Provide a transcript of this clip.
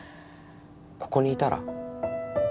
ここにいたら？